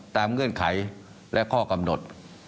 เงื่อนไขและข้อกำหนด